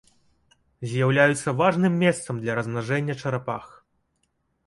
З'яўляюцца важным месцам для размнажэння чарапах.